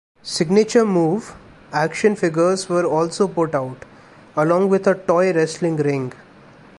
"Signature Move" action figures were also put out, along with a toy wrestling ring.